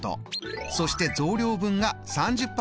そして増量分が３０％。